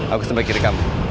aku sembah kiri kamu